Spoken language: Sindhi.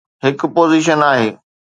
هڪ پوزيشن آهي.